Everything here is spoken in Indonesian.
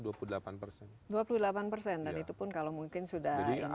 dan itu pun kalau mungkin sudah ini ya